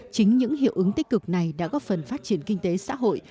chính những hiệu ứng tích cực này đã góp phần phát triển kinh tế xã hội